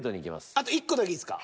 あと１個だけいいですか？